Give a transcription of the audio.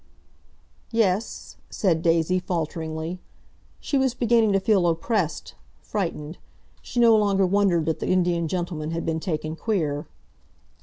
"Yes," said Daisy falteringly. She was beginning to feel oppressed, frightened. She no longer wondered that the Indian gentleman had been taken queer.